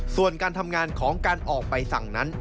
ส่วนการทำงานของการออกใบสั่งนั้น